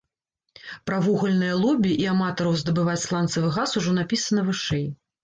Пра вугальнае лобі і аматараў здабываць сланцавы газ ужо напісана вышэй.